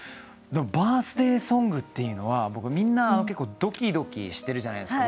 バースデー・ソングっていうのはみんなドキドキしてるじゃないですか。